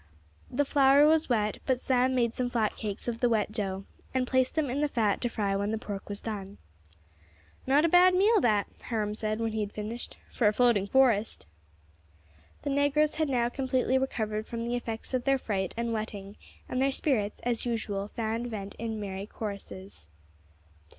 The flour was wet, but Sam made some flat cakes of the wet dough, and placed them in the fat to fry when the pork was done. "Not a bad meal that," Hiram said, when he had finished, "for a floating forest." The negroes had now completely recovered from the effects of their fright and wetting, and their spirits, as usual, found vent in merry choruses.